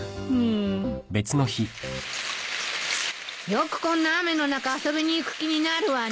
よくこんな雨の中遊びに行く気になるわね。